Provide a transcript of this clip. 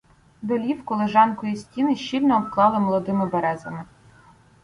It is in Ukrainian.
Долівку, лежанку і стіни щільно обклали молодими березами.